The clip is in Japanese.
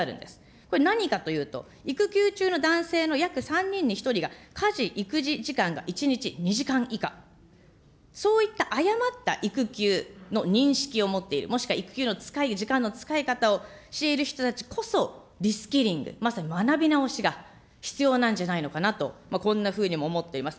これ、何かというと育休中の男性の約３人に１人が、家事、育児時間が１日２時間以下、そういった誤った育休の認識を持っている、もしくは育休の時間の使い方をしている人たちこそリスキリング、まさに学び直しが必要なんじゃないのかなと、こんなふうにも思っております。